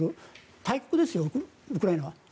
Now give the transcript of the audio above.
大国ですよ、ウクライナは。